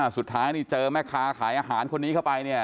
สุดท้ายนี่เจอแม่ค้าขายอาหารคนนี้เข้าไปเนี่ย